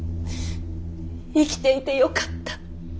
生きていてよかった。